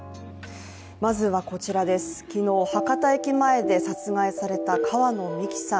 まずはこちらです、昨日博多駅前で殺害された、川野美樹さん。